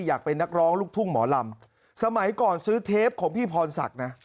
อยากเป็นนักร้องลูกทุ่งหมอลำสมัยก่อนซื้อเทปของพี่พรศักดิ์นะ